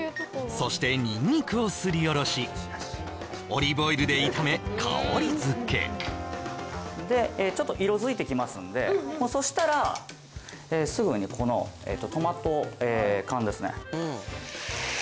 そしてニンニクをすりおろしオリーブオイルで炒め香りづけでちょっと色づいてきますんでもうそうしたらすぐにこのトマト缶ですね